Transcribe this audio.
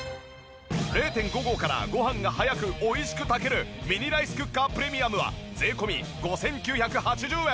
０．５合からごはんが早く美味しく炊けるミニライスクッカープレミアムは税込５９８０円。